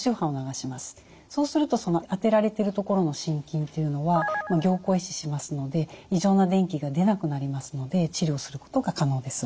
そうすると当てられてる所の心筋というのは凝固壊死しますので異常な電気が出なくなりますので治療することが可能です。